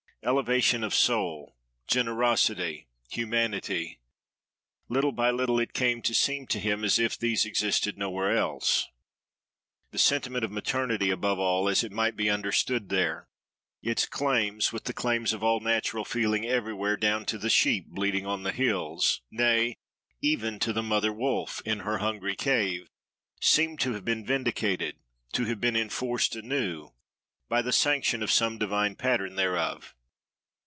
Elevation of soul, generosity, humanity—little by little it came to seem to him as if these existed nowhere else. The sentiment of maternity, above all, as it might be understood there,—its claims, with the claims of all natural feeling everywhere, down to the sheep bleating on the hills, nay! even to the mother wolf, in her hungry cave—seemed to have been vindicated, to have been enforced anew, by the sanction of some divine pattern thereof.